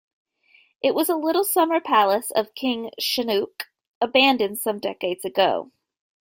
It was a little summer palace of King Sihanouk, abandoned some decades ago.